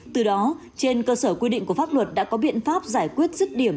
từ đó trên cơ sở quy định của pháp luật đã có biện pháp giải quyết rứt điểm